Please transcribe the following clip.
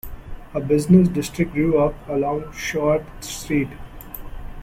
A business district grew up along Choate Street.